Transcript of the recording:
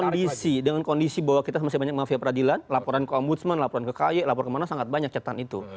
dengan kondisi bahwa kita masih banyak mafia peradilan laporan ke ombudsman laporan ke kay laporan ke mana mana sangat banyak catatan itu